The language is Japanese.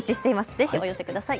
ぜひお寄せください。